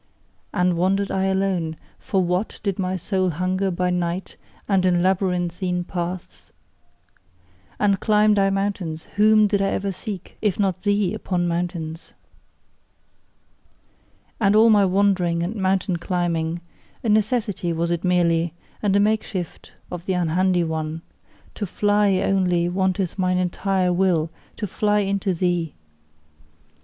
And wandered I alone, for WHAT did my soul hunger by night and in labyrinthine paths? And climbed I mountains, WHOM did I ever seek, if not thee, upon mountains? And all my wandering and mountain climbing: a necessity was it merely, and a makeshift of the unhandy one: to FLY only, wanteth mine entire will, to fly into THEE!